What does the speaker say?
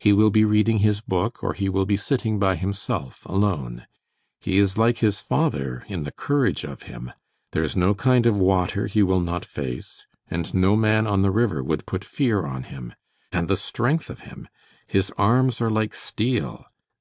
He will be reading his book, or he will be sitting by himself alone. He is like his father in the courage of him. There is no kind of water he will not face, and no man on the river would put fear on him. And the strength of him! His arms are like steel.